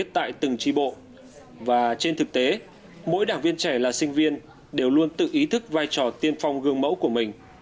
tại từng tri bộ và trên thực tế mỗi đảng viên trẻ là sinh viên đều luôn tự ý thức vai trò tiên phong gương mẫu của mình